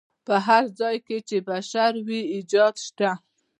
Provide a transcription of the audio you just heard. په هر ځای کې چې بشر وي ایجاد شته.